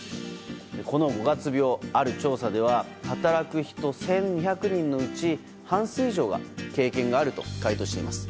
この五月病、ある調査では働く人１２００人のうち半数以上が経験があると回答しています。